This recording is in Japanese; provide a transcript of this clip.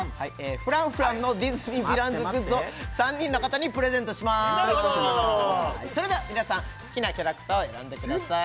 Ｆｒａｎｃｆｒａｎｃのディズニーヴィランズグッズを３人の方にプレゼントしますなるほどそれでは皆さん好きなキャラクターを選んでください